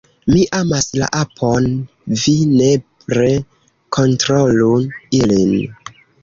Mi amas la apon, vi nepre kontrolu ilin